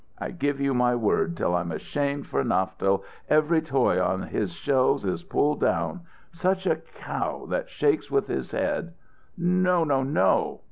I give you my word till I'm ashamed for Naftel, every toy on his shelves is pulled down. Such a cow that shakes with his head " "No no no!"